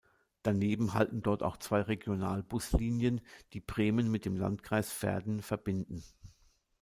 Daneben halten dort auch zwei Regionalbuslinien, die Bremen mit dem Landkreis Verden verbinden.